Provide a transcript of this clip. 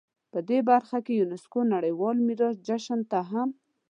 دې برخه کې یونسکو نړیوال میراث جشن ته هم